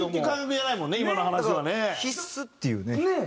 必須っていうね。